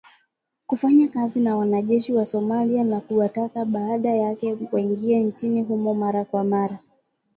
kufanya kazi na wanajeshi wa Somalia na kuwataka badala yake waingie nchini humo mara kwa mara